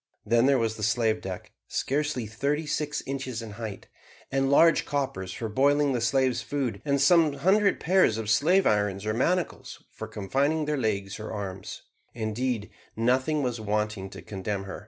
Then there was the slave deck, scarcely thirty six inches in height, and large coppers for boiling the slaves' food, and some hundred pairs of slave irons or manacles for confining their legs or arms; indeed, nothing was wanting to condemn her.